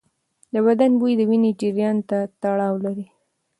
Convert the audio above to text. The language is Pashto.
د بدن بوی د وینې جریان ته تړاو لري.